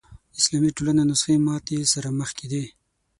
اسلامي ټولنو نسخې ماتې سره مخ کېدې